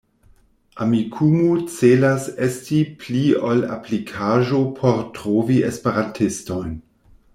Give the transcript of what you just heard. Amikumu celas esti pli ol aplikaĵo por trovi Esperantistojn.